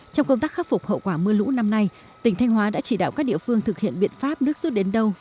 trong công tác khắc phục hậu quả mưa lũ năm nay tỉnh thanh hóa đã chỉ đạo các địa phương thực hiện biện pháp nước rút đến đâu